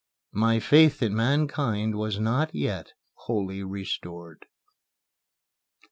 My faith in mankind was not yet wholly restored.